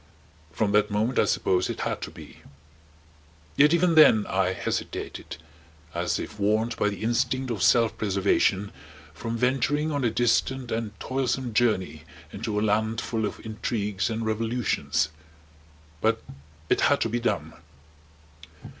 From that moment, I suppose, it had to be. Yet even then I hesitated, as if warned by the instinct of self preservation from venturing on a distant and toilsome journey into a land full of intrigues and revolutions. But it had to be done.